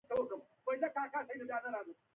باید خپلې سبا ته امیدواره واوسو.